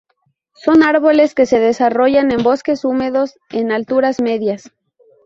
Son árboles que se desarrollan en bosques húmedos en alturas medias.